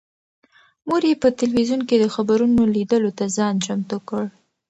مور یې په تلویزون کې د خبرونو لیدلو ته ځان چمتو کړ.